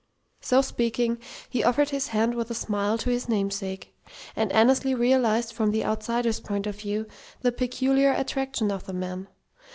So speaking, he offered his hand with a smile to his "namesake"; and Annesley realized from the outsider's point of view the peculiar attraction of the man.